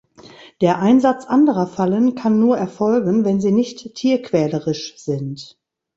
Der Einsatz anderer Fallen kann nur erfolgen, wenn sie nicht tierquälerisch sind.